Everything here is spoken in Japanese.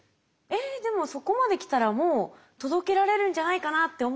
えっでもそこまで来たらもう届けられるんじゃないかなって思っちゃうんですけど。